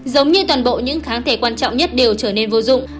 giống như toàn bộ những kháng thể quan trọng nhất đều trở nên vô dụng